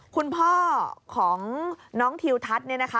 คุณพ่อของน้องทิวทัศน์เนี่ยนะคะ